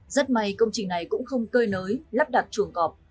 rất may công trình này cũng không cơi nới lắp đặt chuồng cọp